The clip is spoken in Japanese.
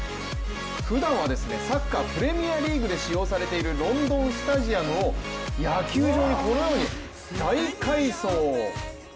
ふだんはサッカー・プレミアリーグで使用されているロンドン・スタジアムを野球場に、このように大改装。